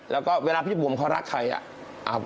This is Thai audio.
แล้วก็เวลาพี่บุ๋มเขารักใครอ่ะ